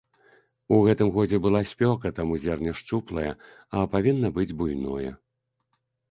У гэтым годзе была спёка, таму зерне шчуплае, а павінна быць буйное.